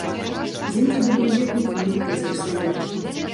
Дзень тады быў, як ніколі, празрыста яркі.